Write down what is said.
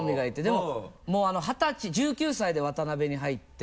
でももう二十歳１９歳で「ワタナベ」に入って。